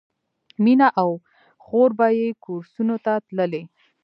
مینه او خور به یې کورسونو ته تللې